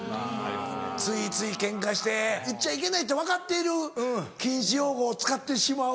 ついついケンカして言っちゃいけないって分かってる禁止用語を使ってしまう。